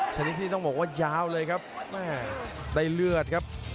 ชนิดที่ต้องบอกว่ายาวเลยครับแม่ได้เลือดครับ